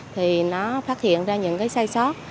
thì nó phát hiện ra những cái sai sót